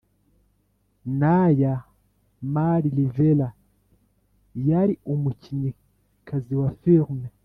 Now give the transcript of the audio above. Naya Mari Rivera yari umukinnyikazi wa filime